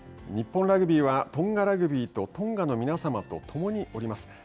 日本ラグビーはトンガラグビーとトンガの皆さまと共におります。